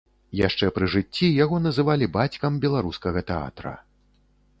Яшчэ пры жыцці яго называлі бацькам беларускага тэатра.